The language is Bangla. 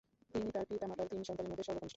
তিনি তার পিতামাতার তিন সন্তানের মধ্য সর্বকনিষ্ঠ।